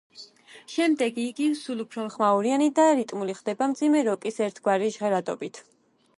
შემდეგ იგი სულ უფრო ხმაურიანი და რიტმული ხდება, მძიმე როკის ერთგვარი ჟღერადობით.